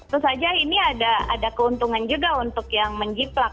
tentu saja ini ada keuntungan juga untuk yang menjiplak